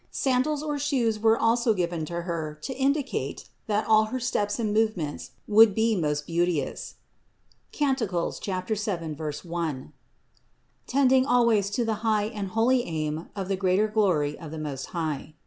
Sandals or shoes were also given to Her, to indicate, that all her steps and movements would be most beauteous (Cant. 7, 1), tending always to the high and holy aim of the greater glory of the Most High.